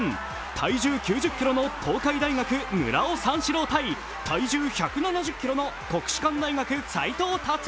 体重９０ｋｇの東海大学村尾対体重１７０ｋｇの国士舘大学斉藤立。